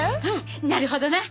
なるほどな！